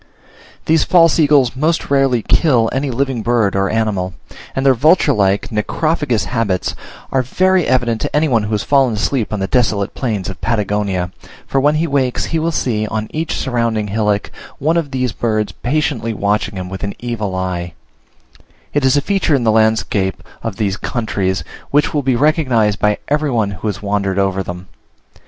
These false eagles most rarely kill any living bird or animal; and their vulture like, necrophagous habits are very evident to any one who has fallen asleep on the desolate plains of Patagonia, for when he wakes, he will see, on each surrounding hillock, one of these birds patiently watching him with an evil eye: it is a feature in the landscape of these countries, which will be recognised by every one who has wandered over them.